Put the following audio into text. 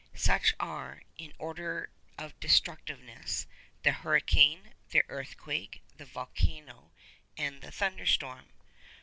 Such are—in order of destructiveness—the hurricane, the earthquake, the volcano, and the thunderstorm.